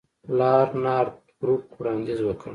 لارډ نارت بروک وړاندیز وکړ.